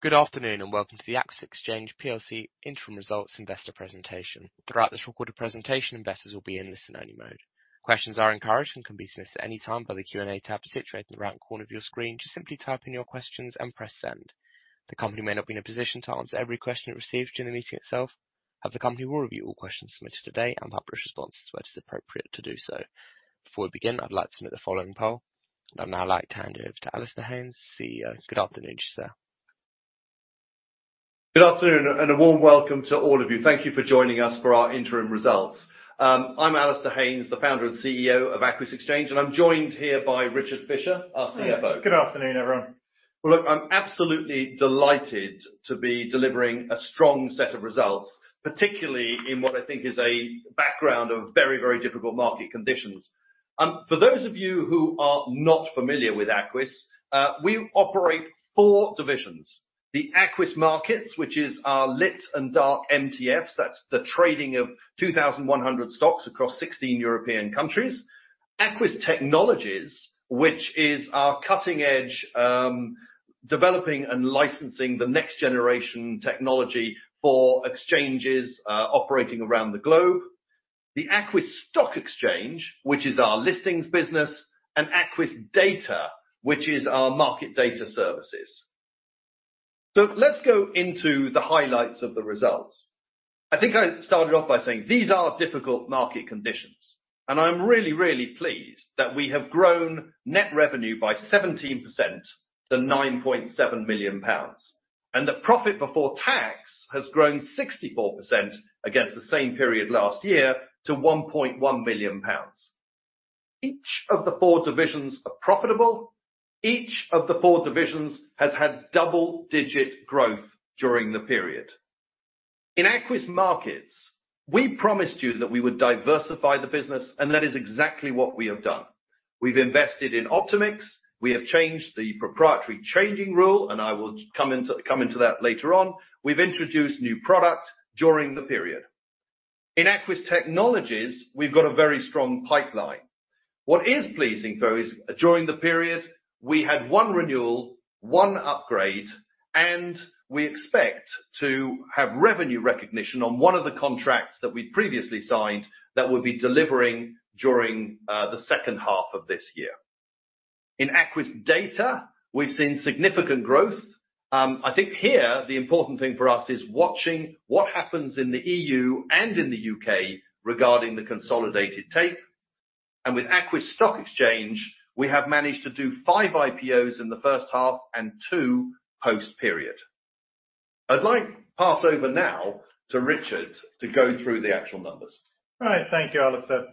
Good afternoon, and welcome to the Aquis Exchange PLC Interim Results Investor Presentation. Throughout this recorded presentation, investors will be in listen-only mode. Questions are encouraged and can be submitted at any time by the Q&A tab situated in the right corner of your screen. Just simply type in your questions and press Send. The company may not be in a position to answer every question it receives during the meeting itself, but the company will review all questions submitted today and publish responses where it is appropriate to do so. Before we begin, I'd like to submit the following poll. I'd now like to hand it over to Alasdair Haynes, CEO. Good afternoon, sir. Good afternoon, and a warm welcome to all of you. Thank you for joining us for our interim results. I'm Alasdair Haynes, the founder and CEO of Aquis Exchange, and I'm joined here by Richard Fisher, our CFO. Good afternoon, everyone. Well, look, I'm absolutely delighted to be delivering a strong set of results, particularly in what I think is a background of very, very difficult market conditions. For those of you who are not familiar with Aquis, we operate four divisions: the Aquis Markets, which is our lit and dark MTFs. That's the trading of 2,100 stocks across 16 European countries. Aquis Technologies, which is our cutting-edge developing and licensing the next-generation technology for exchanges, operating around the globe. The Aquis Stock Exchange, which is our listings business, and Aquis Data, which is our market data services. So let's go into the highlights of the results. I think I started off by saying these are difficult market conditions, and I'm really, really pleased that we have grown net revenue by 17% to 9.7 million pounds, and the profit before tax has grown 64% against the same period last year to 1.1 million pounds. Each of the four divisions are profitable. Each of the four divisions has had double-digit growth during the period. In Aquis Markets, we promised you that we would diversify the business, and that is exactly what we have done. We've invested in OptimX, we have changed the proprietary trading rule, and I will come into that later on. We've introduced new product during the period. In Aquis Technologies, we've got a very strong pipeline. What is pleasing, though, is during the period, we had one renewal, one upgrade, and we expect to have revenue recognition on one of the contracts that we previously signed that we'll be delivering during the second half of this year. In Aquis Data, we've seen significant growth. I think here, the important thing for us is watching what happens in the E.U. and in the U.K. regarding the consolidated tape. And with Aquis Stock Exchange, we have managed to do five IPOs in the first half and two post-period. I'd like to pass over now to Richard to go through the actual numbers. All right. Thank you, Alasdair.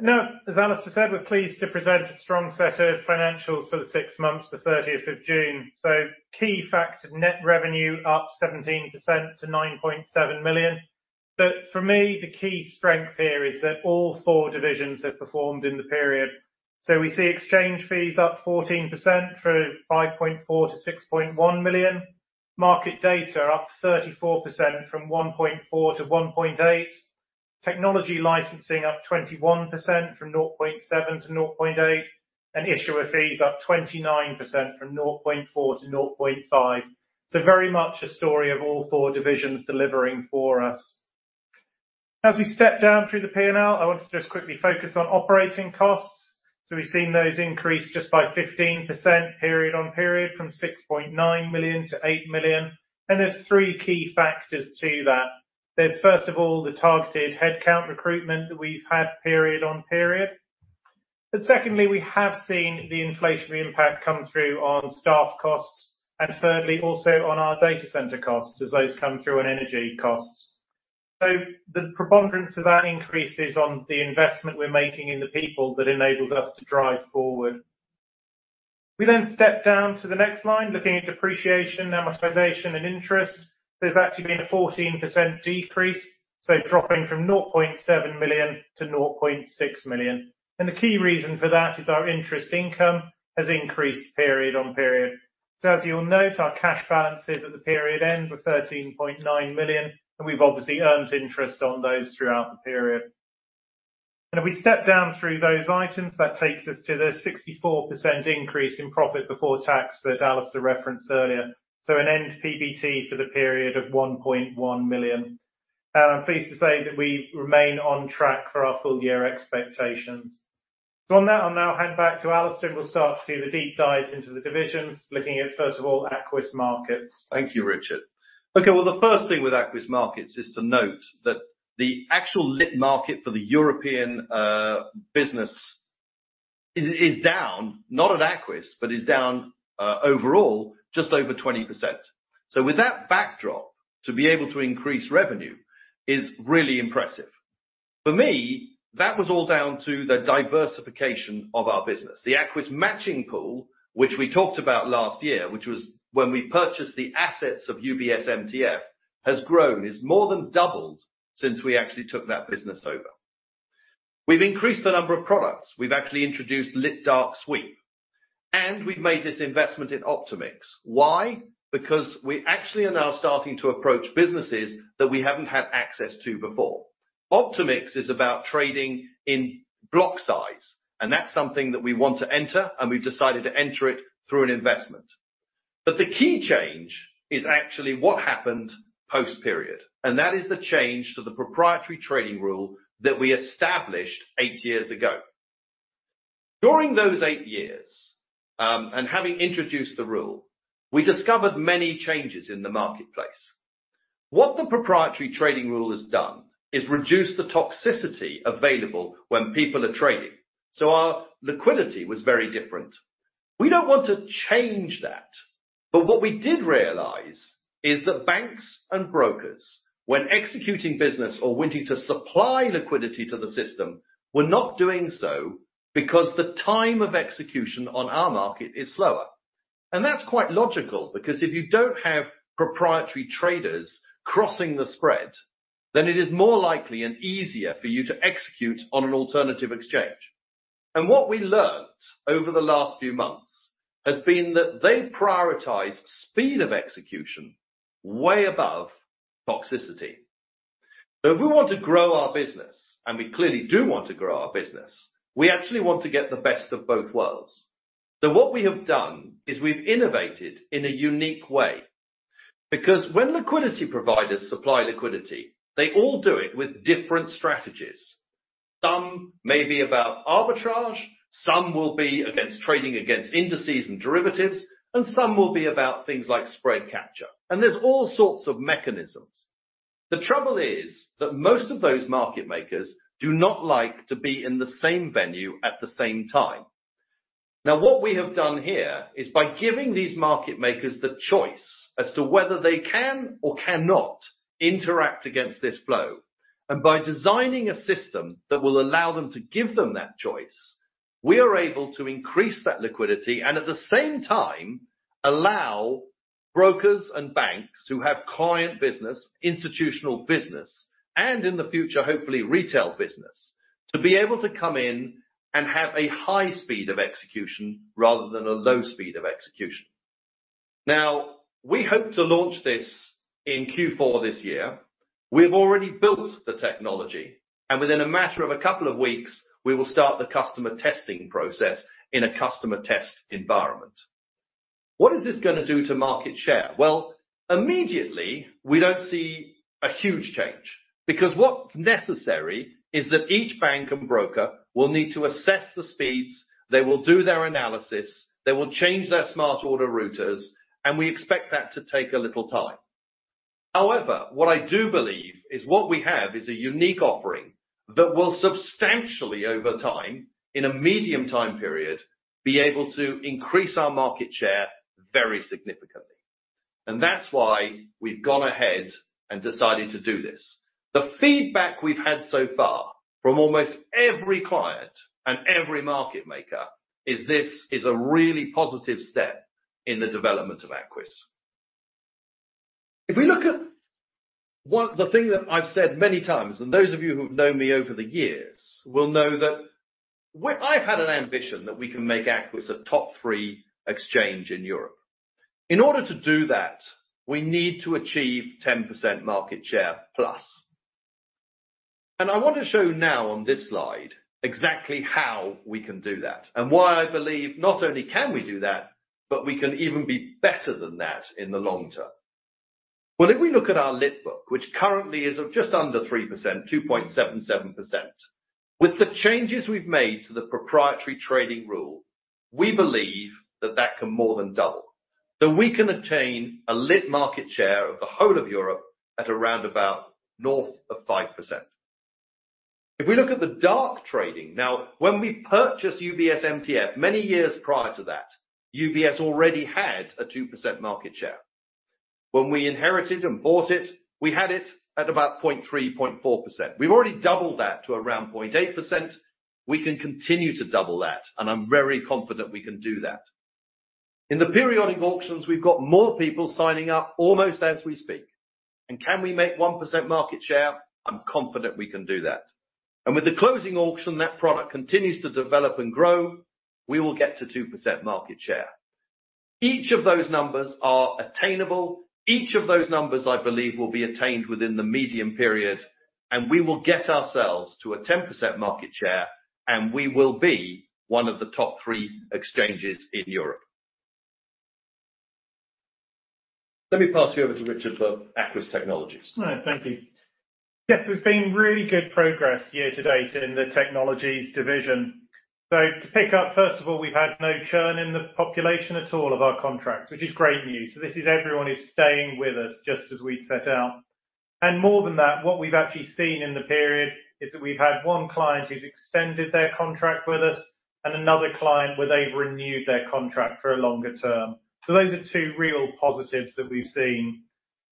Now, as Alasdair said, we're pleased to present a strong set of financials for the six months to thirtieth of June. So key factor, net revenue up 17% to 9.7 million. But for me, the key strength here is that all four divisions have performed in the period. So we see exchange fees up 14% through 5.4 million to 6.1 million. Market data up 34% from 1.4 million to 1.8 million. Technology licensing up 21% from 0.7 million to 0.8 million, and issuer fees up 29% from 0.4 million to 0.5 million. So very much a story of all four divisions delivering for us. As we step down through the P&L, I want to just quickly focus on operating costs. So we've seen those increase just by 15% period-on-period, from 6.9 million to 8 million. And there's three key factors to that. There's, first of all, the targeted headcount recruitment that we've had period-on-period. But secondly, we have seen the inflationary impact come through on staff costs and thirdly, also on our data center costs as those come through, and energy costs. So the preponderance of that increase is on the investment we're making in the people that enables us to drive forward. We then step down to the next line, looking at depreciation, amortization, and interest. There's actually been a 14% decrease, so dropping from 0.7 million to 0.6 million. And the key reason for that is our interest income has increased period-on-period. So as you'll note, our cash balances at the period end were 13.9 million, and we've obviously earned interest on those throughout the period. And if we step down through those items, that takes us to the 64% increase in profit before tax that Alasdair referenced earlier. So an end PBT for the period of 1.1 million. And I'm pleased to say that we remain on track for our full year expectations. So on that, I'll now hand back to Alasdair, who will start to do the deep dive into the divisions, looking at, first of all, Aquis Markets. Thank you, Richard. Okay, well, the first thing with Aquis Markets is to note that the actual lit market for the European business is, is down, not at Aquis, but is down overall just over 20%. So with that backdrop, to be able to increase revenue is really impressive. For me, that was all down to the diversification of our business. The Aquis Matching Pool, which we talked about last year, which was when we purchased the assets of UBS MTF, has grown. It's more than doubled since we actually took that business over. We've increased the number of products. We've actually introduced Lit Dark Sweep, and we've made this investment in OptimX. Why? Because we actually are now starting to approach businesses that we haven't had access to before.... OptimX is about trading in block size, and that's something that we want to enter, and we've decided to enter it through an investment. But the key change is actually what happened post-period, and that is the change to the Proprietary Trading Rule that we established eight years ago. During those eight years, and having introduced the rule, we discovered many changes in the marketplace. What the Proprietary Trading Rule has done, is reduced the toxicity available when people are trading, so our liquidity was very different. We don't want to change that, but what we did realize is that banks and brokers, when executing business or wanting to supply liquidity to the system, were not doing so because the time of execution on our market is slower. And that's quite logical, because if you don't have proprietary traders crossing the spread, then it is more likely and easier for you to execute on an alternative exchange. And what we learned over the last few months, has been that they prioritize speed of execution way above toxicity. So if we want to grow our business, and we clearly do want to grow our business, we actually want to get the best of both worlds. So what we have done, is we've innovated in a unique way, because when liquidity providers supply liquidity, they all do it with different strategies. Some may be about arbitrage, some will be against trading against indices and derivatives, and some will be about things like spread capture. And there's all sorts of mechanisms. The trouble is, that most of those market makers do not like to be in the same venue at the same time. Now, what we have done here, is by giving these market makers the choice as to whether they can or cannot interact against this flow, and by designing a system that will allow them to give them that choice, we are able to increase that liquidity, and at the same time, allow brokers and banks who have client business, institutional business, and in the future, hopefully, retail business, to be able to come in and have a high speed of execution rather than a low speed of execution. Now, we hope to launch this in Q4 this year. We've already built the technology, and within a matter of a couple of weeks, we will start the customer testing process in a customer test environment. What is this gonna do to market share? Well, immediately, we don't see a huge change, because what's necessary is that each bank and broker will need to assess the speeds, they will do their analysis, they will change their smart order routers, and we expect that to take a little time. However, what I do believe, is what we have is a unique offering that will substantially over time, in a medium time period, be able to increase our market share very significantly. And that's why we've gone ahead and decided to do this. The feedback we've had so far from almost every client and every market maker, is this is a really positive step in the development of Aquis. If we look at one-- The thing that I've said many times, and those of you who've known me over the years will know that we-- I've had an ambition that we can make Aquis a top three exchange in Europe. In order to do that, we need to achieve 10% market share plus. I want to show now on this slide, exactly how we can do that, and why I believe not only can we do that, but we can even be better than that in the long term. Well, if we look at our lit book, which currently is of just under 3%, 2.77%. With the changes we've made to the proprietary trading rule, we believe that that can more than double. That we can attain a lit market share of the whole of Europe at around about north of 5%. If we look at the dark trading... Now, when we purchased UBS MTF, many years prior to that, UBS already had a 2% market share. When we inherited and bought it, we had it at about 0.3%-0.4%. We've already doubled that to around 0.8%. We can continue to double that, and I'm very confident we can do that. In the periodic auctions, we've got more people signing up almost as we speak. And can we make 1% market share? I'm confident we can do that. And with the closing auction, that product continues to develop and grow, we will get to 2% market share. Each of those numbers are attainable. Each of those numbers, I believe, will be attained within the medium period, and we will get ourselves to a 10% market share, and we will be one of the top three exchanges in Europe. Let me pass you over to Richard for Aquis Technologies. All right. Thank you. Yes, there's been really good progress year to date in the technologies division. So to pick up, first of all, we've had no churn in the population at all of our contracts, which is great news. So this is everyone who's staying with us just as we'd set out. And more than that, what we've actually seen in the period, is that we've had one client who's extended their contract with us and another client where they've renewed their contract for a longer term. So those are two real positives that we've seen.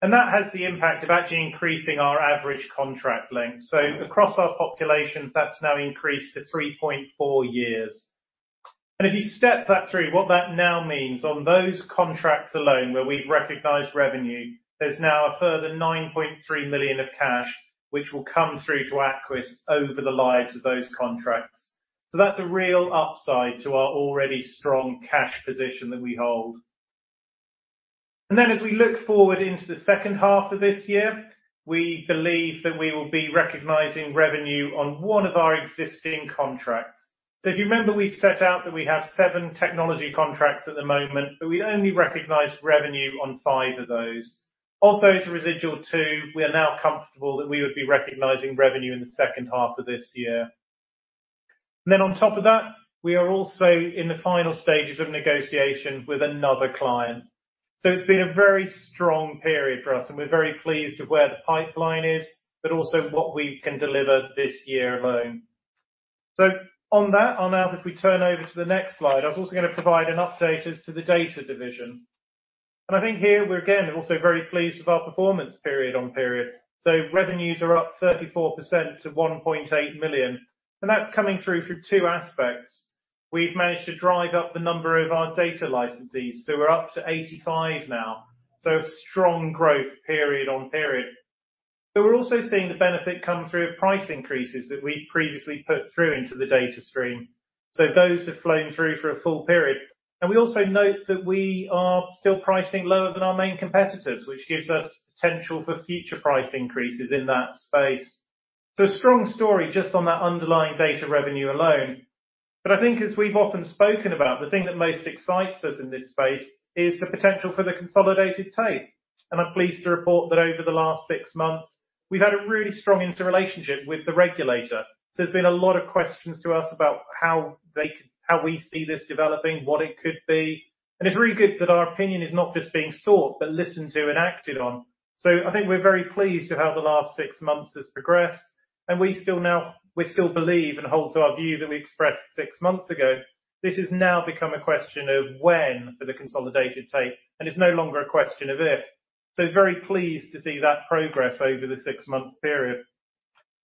And that has the impact of actually increasing our average contract length. So across our population, that's now increased to 3.4 years. If you step that through, what that now means on those contracts alone, where we've recognized revenue, there's now a further 9.3 million of cash, which will come through to Aquis over the lives of those contracts. That's a real upside to our already strong cash position that we hold. Then as we look forward into the second half of this year, we believe that we will be recognizing revenue on one of our existing contracts. If you remember, we set out that we have seven technology contracts at the moment, but we only recognized revenue on five of those. Of those residual two, we are now comfortable that we would be recognizing revenue in the second half of this year. On top of that, we are also in the final stages of negotiation with another client. So it's been a very strong period for us, and we're very pleased with where the pipeline is, but also what we can deliver this year alone. So on that, now, if we turn over to the next slide, I was also gonna provide an update as to the data division. And I think here we're, again, also very pleased with our performance period-on-period. So revenues are up 34% to 1.8 million, and that's coming through for two aspects. We've managed to drive up the number of our data licensees, so we're up to 85 now. So a strong growth period-on-period. But we're also seeing the benefit come through of price increases that we previously put through into the data stream. So those have flown through for a full period. We also note that we are still pricing lower than our main competitors, which gives us potential for future price increases in that space. A strong story just on that underlying data revenue alone. But I think as we've often spoken about, the thing that most excites us in this space is the potential for the Consolidated Tape. I'm pleased to report that over the last six months, we've had a really strong interrelationship with the regulator. So there's been a lot of questions to us about how we see this developing, what it could be. It's really good that our opinion is not just being sought, but listened to and acted on. So I think we're very pleased with how the last six months has progressed, and we still believe and hold to our view that we expressed six months ago, this has now become a question of when for the Consolidated Tape, and it's no longer a question of if. So very pleased to see that progress over the six-month period.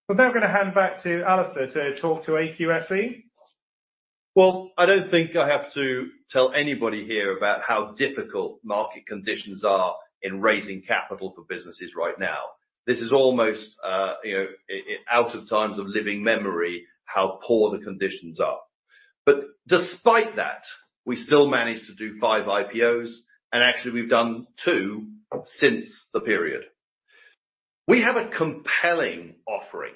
I'm now gonna hand back to Alasdair to talk to AQSE. Well, I don't think I have to tell anybody here about how difficult market conditions are in raising capital for businesses right now. This is almost, you know, out of times of living memory, how poor the conditions are. But despite that, we still managed to do five IPOs, and actually, we've done two since the period. We have a compelling offering,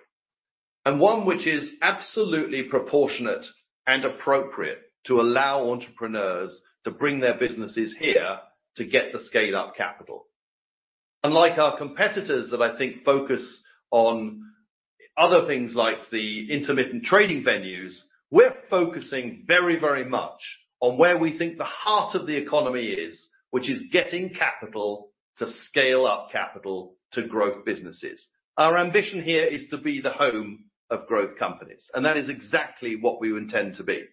and one which is absolutely proportionate and appropriate to allow entrepreneurs to bring their businesses here to get the scale-up capital. Unlike our competitors that I think focus on other things like the intermittent trading venues, we're focusing very, very much on where we think the heart of the economy is, which is getting capital to scale up capital to growth businesses. Our ambition here is to be the home of growth companies, and that is exactly what we intend to be.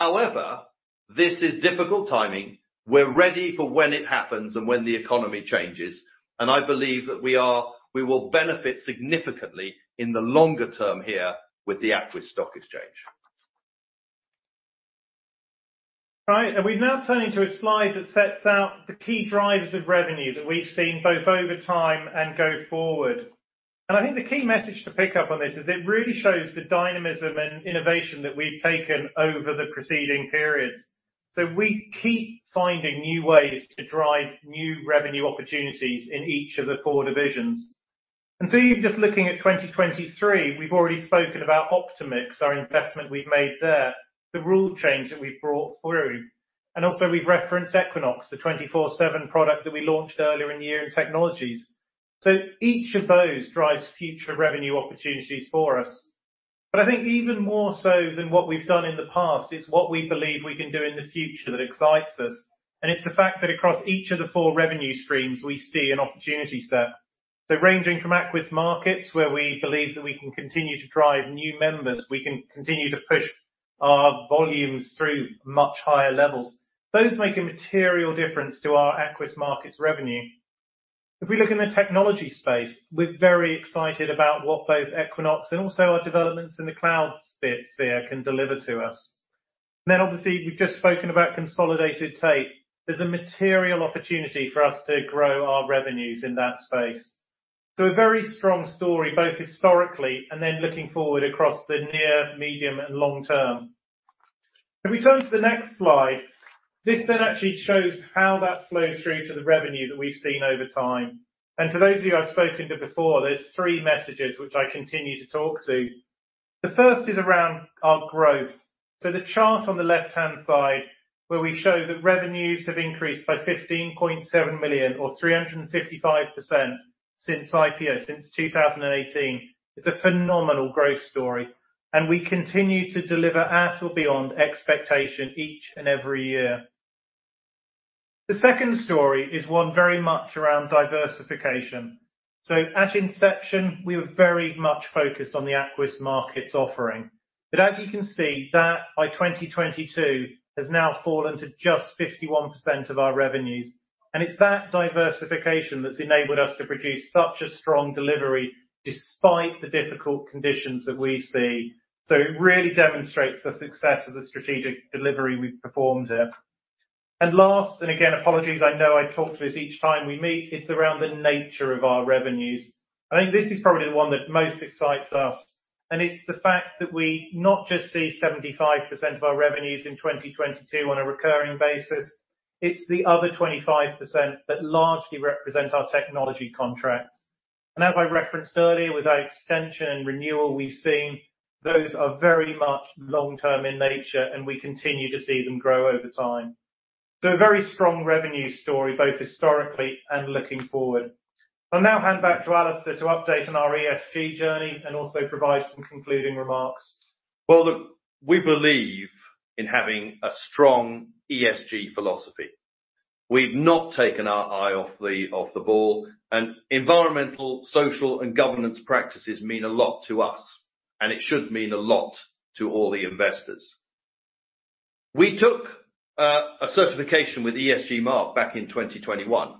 However, this is difficult timing. We're ready for when it happens and when the economy changes, and I believe that we will benefit significantly in the longer term here with the Aquis Stock Exchange. Right. We now turn into a slide that sets out the key drivers of revenue that we've seen both over time and go forward. I think the key message to pick up on this is it really shows the dynamism and innovation that we've taken over the preceding periods. We keep finding new ways to drive new revenue opportunities in each of the four divisions. Even just looking at 2023, we've already spoken about OptimX, our investment we've made there, the rule change that we've brought through, and also we've referenced Equinox, the 24/7 product that we launched earlier in the year in technologies. Each of those drives future revenue opportunities for us. But I think even more so than what we've done in the past, is what we believe we can do in the future that excites us. And it's the fact that across each of the four revenue streams, we see an opportunity set. So ranging from Aquis Markets, where we believe that we can continue to drive new members, we can continue to push our volumes through much higher levels. Those make a material difference to our Aquis Markets revenue. If we look in the technology space, we're very excited about what both Equinox and also our developments in the cloud sphere can deliver to us. Then, obviously, we've just spoken about Consolidated Tape. There's a material opportunity for us to grow our revenues in that space. So a very strong story, both historically and then looking forward across the near, medium, and long term. If we turn to the next slide, this then actually shows how that flows through to the revenue that we've seen over time. To those of you I've spoken to before, there's three messages which I continue to talk to. The first is around our growth. The chart on the left-hand side, where we show that revenues have increased by 15.7 million or 355% since IPO, since 2018, is a phenomenal growth story, and we continue to deliver at or beyond expectation each and every year. The second story is one very much around diversification. At inception, we were very much focused on the Aquis Markets offering. As you can see, by 2022, that has now fallen to just 51% of our revenues, and it's that diversification that's enabled us to produce such a strong delivery despite the difficult conditions that we see. It really demonstrates the success of the strategic delivery we've performed here. And last, and again, apologies, I know I talk to this each time we meet, it's around the nature of our revenues. I think this is probably the one that most excites us, and it's the fact that we not just see 75% of our revenues in 2022 on a recurring basis, it's the other 25% that largely represent our technology contracts. And as I referenced earlier, with our extension and renewal, we've seen those are very much long-term in nature, and we continue to see them grow over time. So a very strong revenue story, both historically and looking forward. I'll now hand back to Alasdair to update on our ESG journey and also provide some concluding remarks. Well, look, we believe in having a strong ESG philosophy. We've not taken our eye off the ball, and environmental, social, and governance practices mean a lot to us, and it should mean a lot to all the investors. We took a certification with ESGmark back in 2021,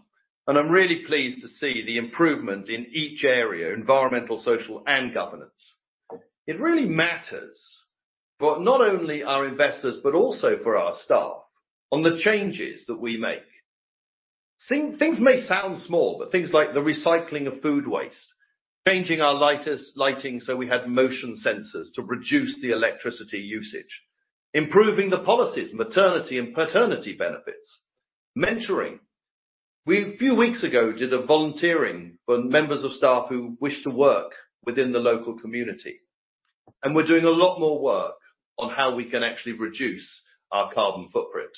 and I'm really pleased to see the improvement in each area: environmental, social, and governance. It really matters for not only our investors but also for our staff on the changes that we make. Things may sound small, but things like the recycling of food waste, changing our lighting, so we had motion sensors to reduce the electricity usage. Improving the policies, maternity and paternity benefits, mentoring. We, a few weeks ago, did a volunteering for members of staff who wished to work within the local community, and we're doing a lot more work on how we can actually reduce our carbon footprint.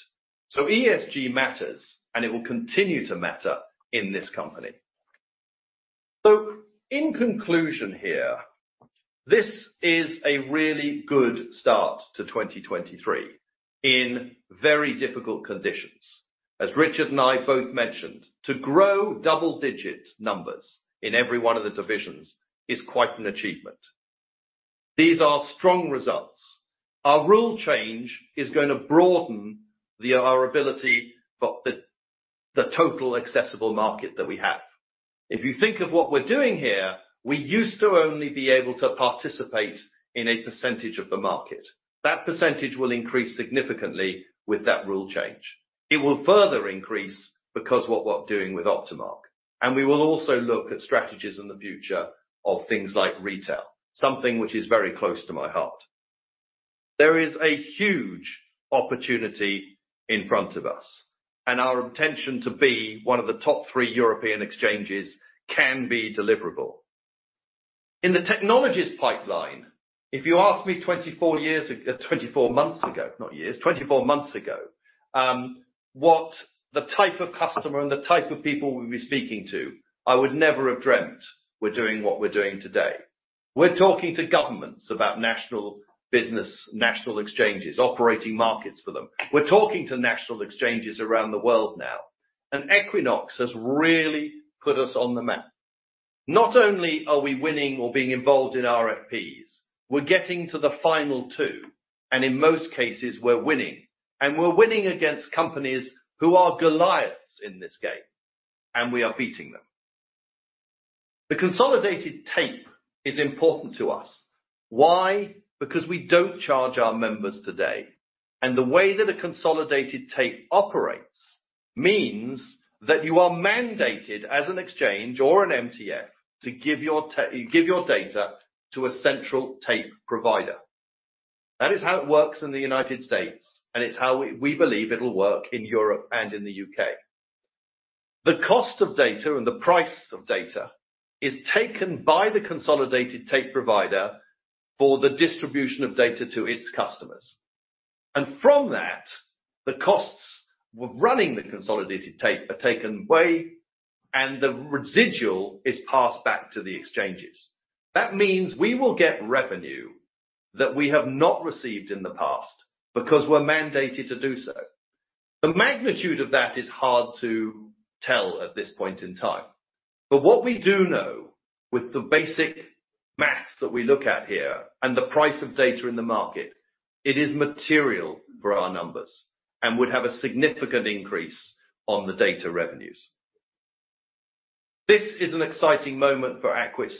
So ESG matters, and it will continue to matter in this company. So in conclusion here, this is a really good start to 2023 in very difficult conditions. As Richard and I both mentioned, to grow double-digit numbers in every one of the divisions is quite an achievement. These are strong results. Our rule change is gonna broaden our ability for the total accessible market that we have. If you think of what we're doing here, we used to only be able to participate in a percentage of the market. That percentage will increase significantly with that rule change. It will further increase because what we're doing with OptimX, and we will also look at strategies in the future of things like retail, something which is very close to my heart. There is a huge opportunity in front of us, and our intention to be one of the top three European exchanges can be deliverable. In the technologies pipeline, if you asked me 24 years ago, 24 months ago, not years, 24 months ago, what the type of customer and the type of people we'd be speaking to, I would never have dreamt we're doing what we're doing today. We're talking to governments about national business, national exchanges, operating markets for them. We're talking to national exchanges around the world now, and Equinox has really put us on the map. Not only are we winning or being involved in RFPs, we're getting to the final two, and in most cases, we're winning. And we're winning against companies who are Goliaths in this game, and we are beating them. The Consolidated Tape is important to us. Why? Because we don't charge our members today, and the way that a Consolidated Tape operates means that you are mandated as an exchange or an MTF to give your data to a central tape provider. That is how it works in the United States, and it's how we, we believe it'll work in Europe and in the U.K. The cost of data and the price of data is taken by the Consolidated Tape provider for the distribution of data to its customers. From that, the costs of running the consolidated tape are taken away, and the residual is passed back to the exchanges. That means we will get revenue that we have not received in the past because we're mandated to do so. The magnitude of that is hard to tell at this point in time, but what we do know with the basic maths that we look at here and the price of data in the market, it is material for our numbers and would have a significant increase on the data revenues. This is an exciting moment for Aquis.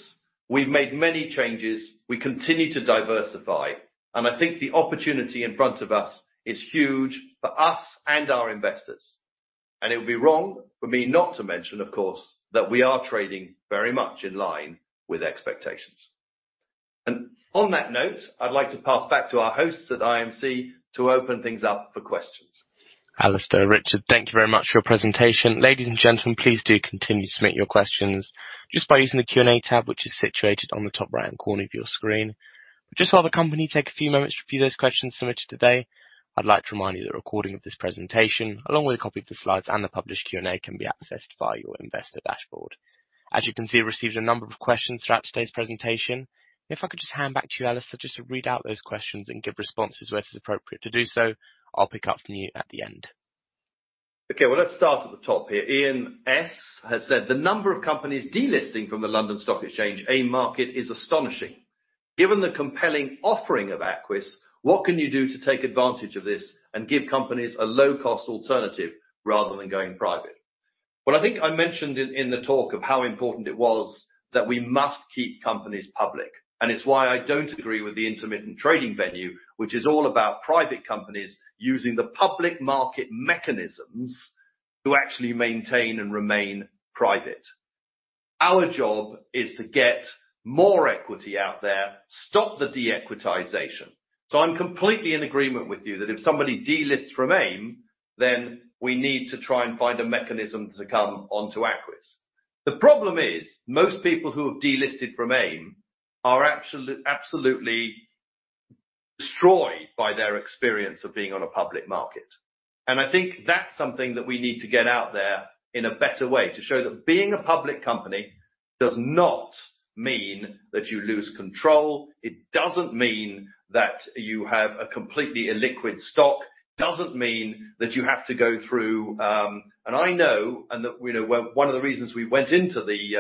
We've made many changes. We continue to diversify, and I think the opportunity in front of us is huge for us and our investors. It would be wrong for me not to mention, of course, that we are trading very much in line with expectations. On that note, I'd like to pass back to our hosts at IMC to open things up for questions. Alasdair, Richard, thank you very much for your presentation. Ladies and gentlemen, please do continue to submit your questions just by using the Q&A tab, which is situated on the top right-hand corner of your screen. Just while the company take a few moments to review those questions submitted today, I'd like to remind you that a recording of this presentation, along with a copy of the slides and the published Q&A, can be accessed via your investor dashboard. As you can see, we've received a number of questions throughout today's presentation. If I could just hand back to you, Alasdair, just to read out those questions and give responses where it is appropriate to do so. I'll pick up from you at the end. Okay, well, let's start at the top here. Ian S has said: "The number of companies delisting from the London Stock Exchange, AIM market, is astonishing. Given the compelling offering of Aquis, what can you do to take advantage of this and give companies a low-cost alternative rather than going private?" Well, I think I mentioned in the talk of how important it was that we must keep companies public, and it's why I don't agree with the intermittent trading venue, which is all about private companies using the public market mechanisms... to actually maintain and remain private. Our job is to get more equity out there, stop the de-equitization. So I'm completely in agreement with you that if somebody delists from AIM, then we need to try and find a mechanism to come onto Aquis. The problem is, most people who have delisted from AIM are absolutely destroyed by their experience of being on a public market. And I think that's something that we need to get out there in a better way, to show that being a public company does not mean that you lose control. It doesn't mean that you have a completely illiquid stock. It doesn't mean that you have to go through. And I know, and that, you know, one, one of the reasons we went into the,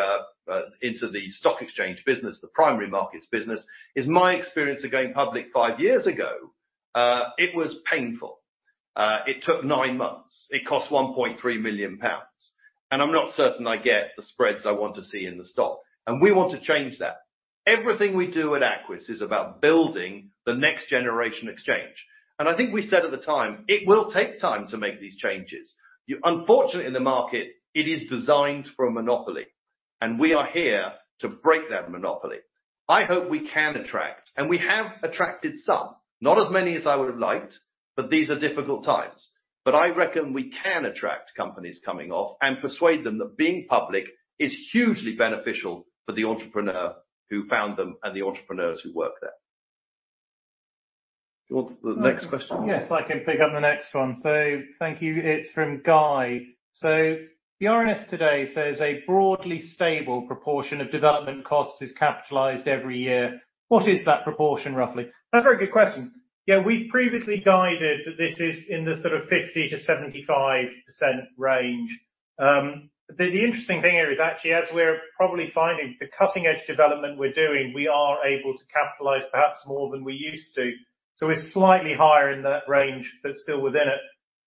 into the stock exchange business, the primary markets business, is my experience of going public five years ago, it was painful. It took nine months. It cost 1.3 million pounds, and I'm not certain I get the spreads I want to see in the stock, and we want to change that. Everything we do at Aquis is about building the next generation exchange. I think we said at the time, it will take time to make these changes. Unfortunately, in the market, it is designed for a monopoly, and we are here to break that monopoly. I hope we can attract, and we have attracted some, not as many as I would have liked, but these are difficult times. I reckon we can attract companies coming off and persuade them that being public is hugely beneficial for the entrepreneur who found them and the entrepreneurs who work there. Do you want the next question? Yes, I can pick up the next one. Thank you. It's from Guy. The RNS today says a broadly stable proportion of development costs is capitalized every year. What is that proportion, roughly? That's a very good question. Yeah, we've previously guided that this is in the sort of 50%-75% range. The interesting thing here is actually, as we're probably finding, the cutting-edge development we're doing, we are able to capitalize perhaps more than we used to. We're slightly higher in that range, but still within it.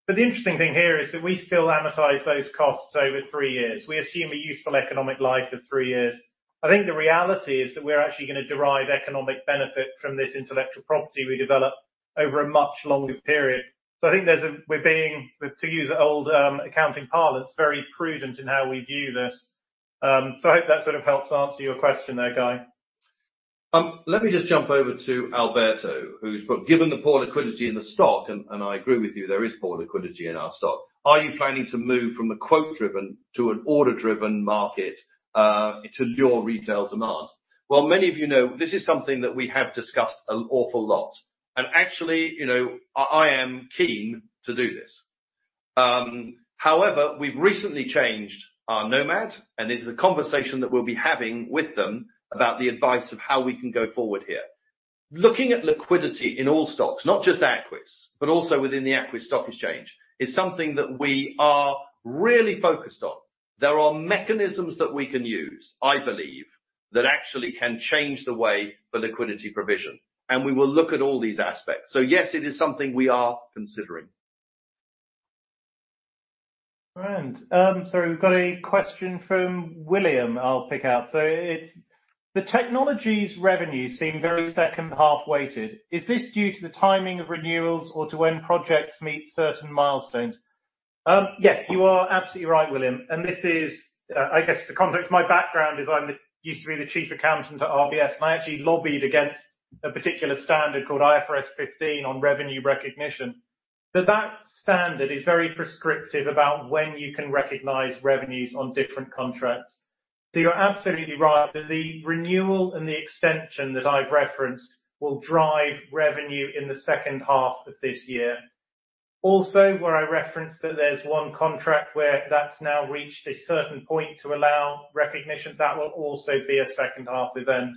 The interesting thing here is that we still amortize those costs over three years. We assume a useful economic life of three years. I think the reality is that we're actually gonna derive economic benefit from this intellectual property we develop over a much longer period. So I think we're being, to use an old accounting parlance, very prudent in how we view this. I hope that sort of helps answer your question there, Guy. Let me just jump over to Alberto, who's put, "Given the poor liquidity in the stock," and I agree with you, there is poor liquidity in our stock, "Are you planning to move from a quote-driven to an order-driven market, to lure retail demand?" Well, many of you know, this is something that we have discussed an awful lot, and actually, you know, I am keen to do this. However, we've recently changed our Nomad, and this is a conversation that we'll be having with them about the advice of how we can go forward here. Looking at liquidity in all stocks, not just Aquis, but also within the Aquis Stock Exchange, is something that we are really focused on. There are mechanisms that we can use, I believe, that actually can change the way for liquidity provision, and we will look at all these aspects. So yes, it is something we are considering. All right, we've got a question from William I'll pick out. It's: The technology's revenues seem very second-half weighted. Is this due to the timing of renewals or to when projects meet certain milestones? Yes, you are absolutely right, William, and this is, I guess, the context, my background is I'm the—used to be the Chief Accountant at RBS, and I actually lobbied against a particular standard called IFRS 15 on revenue recognition. That standard is very prescriptive about when you can recognize revenues on different contracts. You're absolutely right that the renewal and the extension that I've referenced will drive revenue in the second half of this year. Also, where I referenced that there's one contract where that's now reached a certain point to allow recognition, that will also be a second-half event.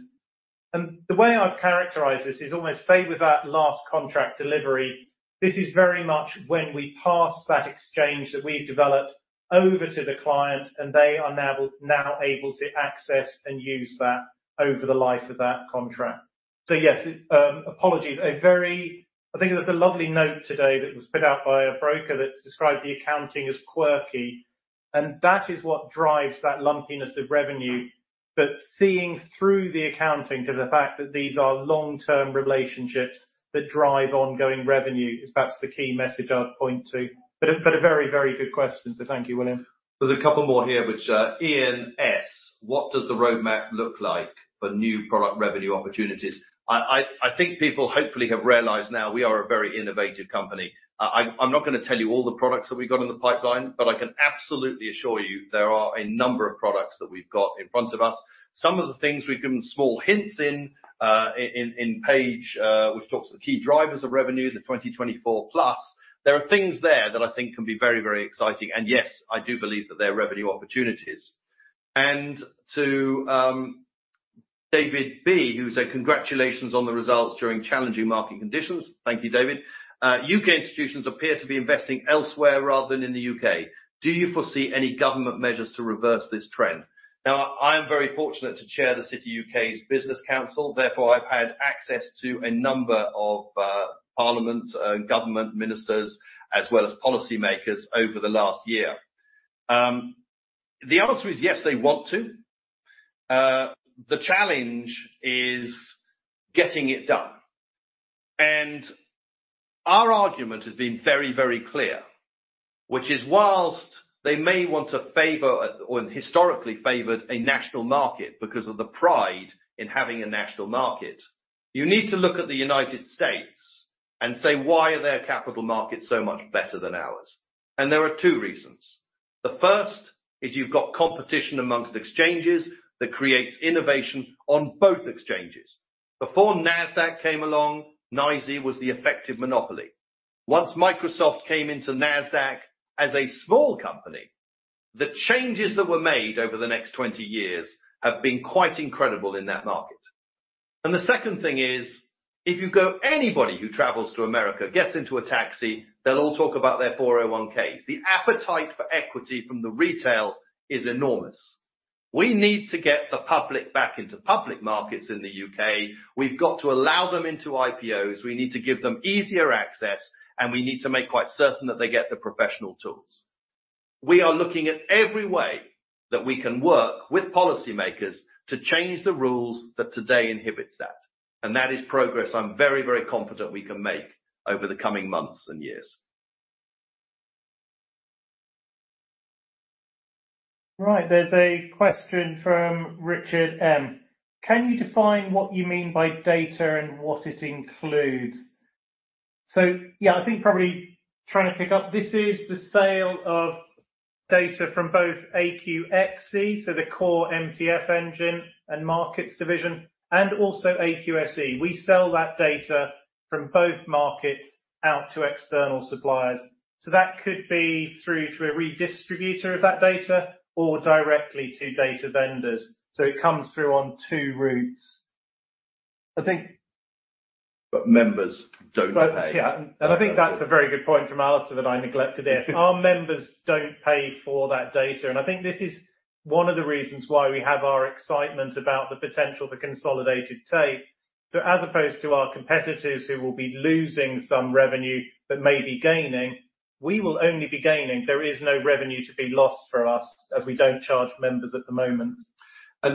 And the way I'd characterize this is almost, say, with that last contract delivery, this is very much when we pass that exchange that we've developed over to the client, and they are now able to access and use that over the life of that contract. So yes, apologies. I think there was a lovely note today that was put out by a broker that's described the accounting as quirky, and that is what drives that lumpiness of revenue. But seeing through the accounting to the fact that these are long-term relationships that drive ongoing revenue is perhaps the key message I'd point to. But a very, very good question, so thank you, William. There's a couple more here, which Ian S: What does the roadmap look like for new product revenue opportunities? I think people hopefully have realized now we are a very innovative company. I'm not gonna tell you all the products that we've got in the pipeline, but I can absolutely assure you there are a number of products that we've got in front of us. Some of the things we've given small hints in page, which talks to the key drivers of revenue, the 2024 plus. There are things there that I think can be very, very exciting, and yes, I do believe that they're revenue opportunities. And to David B, who said, "Congratulations on the results during challenging market conditions." Thank you, David. "U.K. institutions appear to be investing elsewhere rather than in the U.K. Do you foresee any government measures to reverse this trend? Now, I'm very fortunate to chair TheCityUK's Business Council, therefore, I've had access to a number of parliament, government ministers, as well as policymakers over the last year. The answer is yes, they want to. The challenge is getting it done. Our argument has been very, very clear, which is, whilst they may want to favor or historically favored a national market because of the pride in having a national market, you need to look at the United States and say, "Why are their capital markets so much better than ours?" There are two reasons. The first is you've got competition amongst exchanges that creates innovation on both exchanges. Before Nasdaq came along, NYSE was the effective monopoly. Once Microsoft came into Nasdaq as a small company, the changes that were made over the next 20 years have been quite incredible in that market. The second thing is, if you go-- anybody who travels to America, gets into a taxi, they'll all talk about their 401(k)s. The appetite for equity from the retail is enormous. We need to get the public back into public markets in the U.K. We've got to allow them into IPOs. We need to give them easier access, and we need to make quite certain that they get the professional tools. We are looking at every way that we can work with policymakers to change the rules that today inhibits that, and that is progress I'm very, very confident we can make over the coming months and years. Right. There's a question from Richard M: Can you define what you mean by data and what it includes? So, yeah, I think probably trying to pick up, this is the sale of data from both AQX, so the core MTF engine and markets division, and also AQSE. We sell that data from both markets out to external suppliers. So that could be through to a redistributor of that data or directly to data vendors. So it comes through on two routes. I think, but members don't pay. Yeah, and I think that's a very good point from Alasdair that I neglected there. Our members don't pay for that data, and I think this is one of the reasons why we have our excitement about the potential for Consolidated Tape. So as opposed to our competitors, who will be losing some revenue but may be gaining, we will only be gaining. There is no revenue to be lost for us, as we don't charge members at the moment.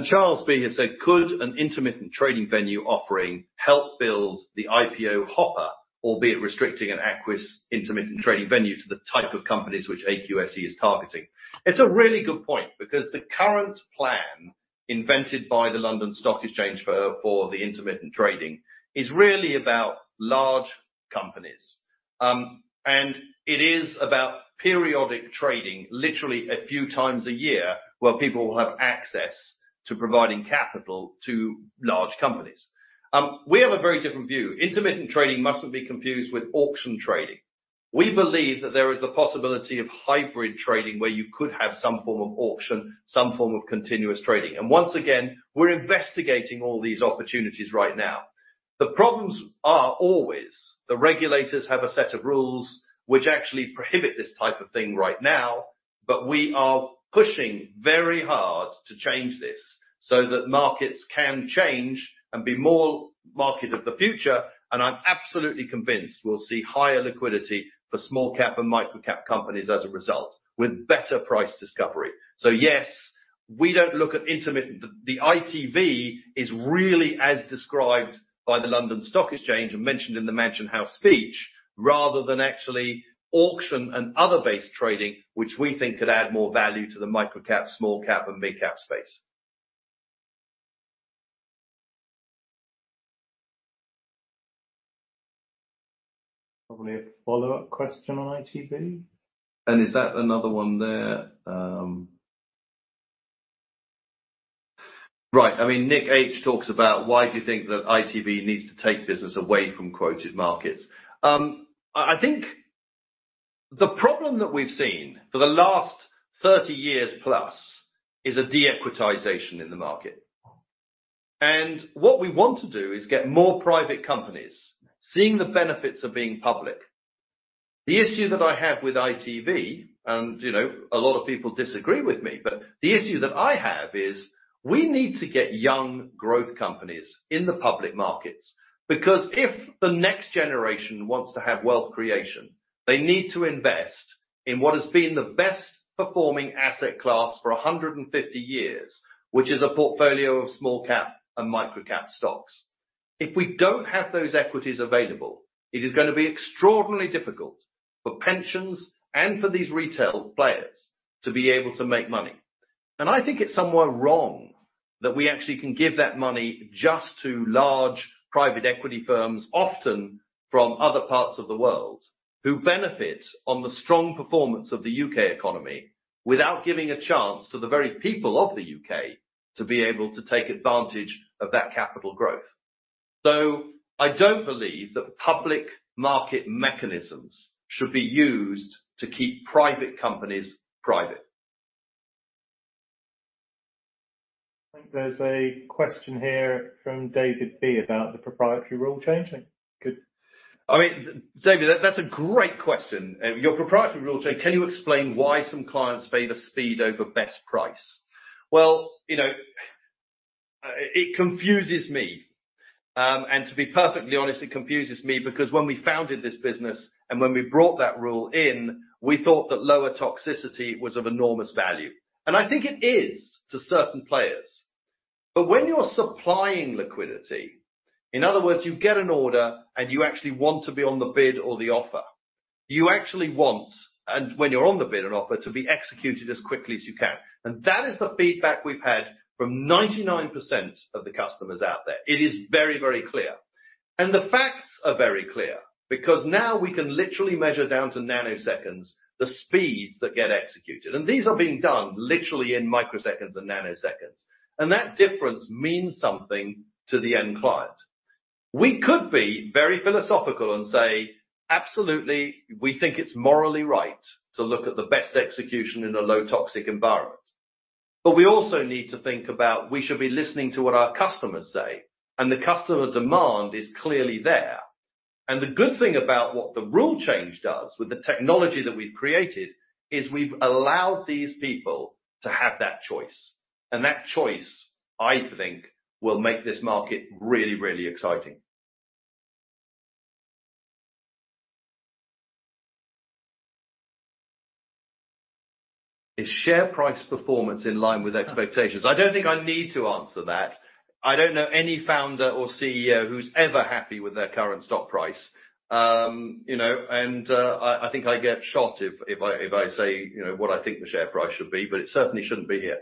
Charles B has said, "Could an intermittent trading venue offering help build the IPO hopper, albeit restricting an Aquis intermittent trading venue to the type of companies which AQSE is targeting?" It's a really good point, because the current plan, invented by the London Stock Exchange for the intermittent trading, is really about large companies. And it is about periodic trading, literally a few times a year, where people will have access to providing capital to large companies. We have a very different view. Intermittent trading mustn't be confused with auction trading. We believe that there is the possibility of hybrid trading, where you could have some form of auction, some form of continuous trading. And once again, we're investigating all these opportunities right now. The problems are always, the regulators have a set of rules which actually prohibit this type of thing right now, but we are pushing very hard to change this so that markets can change and be more market of the future. I'm absolutely convinced we'll see higher liquidity for small cap and micro cap companies as a result, with better price discovery. Yes, we don't look at intermittent... The ITV is really as described by the London Stock Exchange and mentioned in the Mansion House speech, rather than actually auction and other base trading, which we think could add more value to the micro cap, small cap, and mid cap space. Probably a follow-up question on ITV. Is that another one there? Right. I mean, Nick H talks about: Why do you think that ITV needs to take business away from quoted markets? I think the problem that we've seen for the last 30 years plus is a de-equitization in the market. And what we want to do is get more private companies seeing the benefits of being public. The issue that I have with ITV, and, you know, a lot of people disagree with me, but the issue that I have is, we need to get young growth companies in the public markets, because if the next generation wants to have wealth creation, they need to invest in what has been the best performing asset class for 150 years, which is a portfolio of small-cap and micro-cap stocks. If we don't have those equities available, it is gonna be extraordinarily difficult for pensions and for these retail players to be able to make money. I think it's somewhere wrong that we actually can give that money just to large private equity firms, often from other parts of the world, who benefit on the strong performance of the U.K. economy without giving a chance to the very people of the U.K. to be able to take advantage of that capital growth. I don't believe that public market mechanisms should be used to keep private companies private. I think there's a question here from David B about the proprietary rule changing. Good. I mean, David, that's a great question. Your proprietary rule change: Can you explain why some clients favor speed over best price? Well, you know, it confuses me. And to be perfectly honest, it confuses me because when we founded this business and when we brought that rule in, we thought that lower toxicity was of enormous value. I think it is to certain players. When you're supplying liquidity, in other words, you get an order, and you actually want to be on the bid or the offer, you actually want, and when you're on the bid and offer, to be executed as quickly as you can. That is the feedback we've had from 99% of the customers out there. It is very, very clear. And the facts are very clear, because now we can literally measure down to nanoseconds, the speeds that get executed. And these are being done literally in microseconds and nanoseconds. And that difference means something to the end client. We could be very philosophical and say, "Absolutely, we think it's morally right to look at the best execution in a low toxic environment." But we also need to think about, we should be listening to what our customers say, and the customer demand is clearly there. And the good thing about what the rule change does with the technology that we've created, is we've allowed these people to have that choice. And that choice, I think, will make this market really, really exciting. Is share price performance in line with expectations? I don't think I need to answer that. I don't know any founder or CEO who's ever happy with their current stock price. You know, and I think I'd get shot if I say, you know, what I think the share price should be, but it certainly shouldn't be here.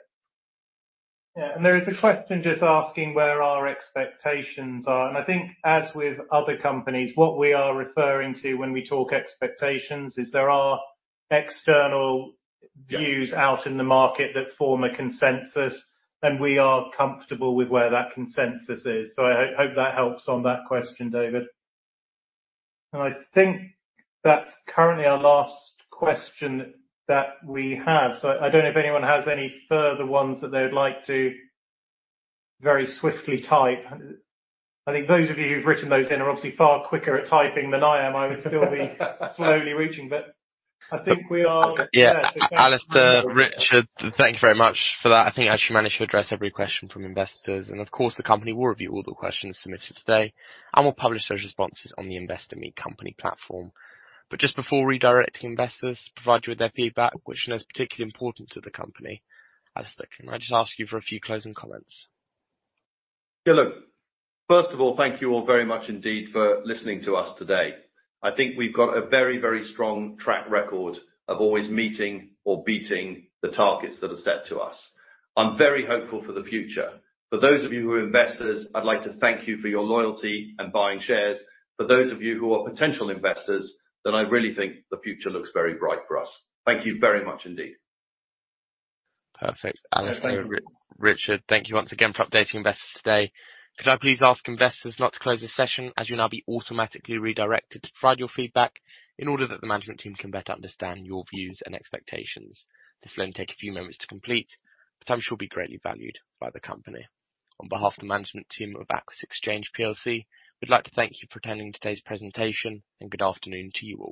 Yeah, there is a question just asking where our expectations are, and I think, as with other companies, what we are referring to when we talk expectations is there are external views out in the market that form a consensus, and we are comfortable with where that consensus is. I hope that helps on that question, David. I think that's currently our last question that we have. I don't know if anyone has any further ones that they would like to very swiftly type. I think those of you who've written those in are obviously far quicker at typing than I am. I would still be slowly reaching, but I think we are- Yeah. Alasdair, Richard, thank you very much for that. I think you actually managed to address every question from investors, and of course, the company will review all the questions submitted today, and will publish those responses on the Investor Meet Company platform. But just before redirecting investors to provide you with their feedback, which is particularly important to the company, Alasdair, can I just ask you for a few closing comments? Dylan, first of all, thank you all very much indeed for listening to us today. I think we've got a very, very strong track record of always meeting or beating the targets that are set to us. I'm very hopeful for the future. For those of you who are investors, I'd like to thank you for your loyalty and buying shares. For those of you who are potential investors, then I really think the future looks very bright for us. Thank you very much indeed. Perfect. Alasdair, Richard, thank you once again for updating investors today. Could I please ask investors not to close this session, as you'll now be automatically redirected to provide your feedback in order that the management team can better understand your views and expectations. This will only take a few moments to complete, but I'm sure will be greatly valued by the company. On behalf of the management team of Aquis Exchange PLC, we'd like to thank you for attending today's presentation, and good afternoon to you all.